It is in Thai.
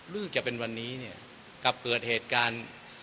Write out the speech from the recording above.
ลูกจะเป็นวันนี้เนี่ยกลับเกิดเหตุการณ์